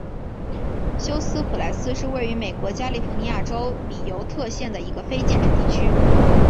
休斯普莱斯是位于美国加利福尼亚州比尤特县的一个非建制地区。